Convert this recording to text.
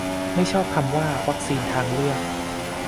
ไม่ชอบคำว่า "วัคซีนทางเลือก"